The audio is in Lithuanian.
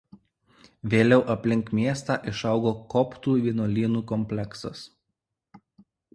Vėliau aplink miestą išaugo koptų vienuolynų kompleksas.